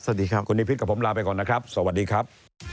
สวัสดีครับคุณนิพิษกับผมลาไปก่อนนะครับสวัสดีครับ